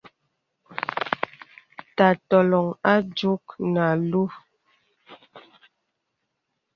Tā tɔləŋ a dùk nə àlùù.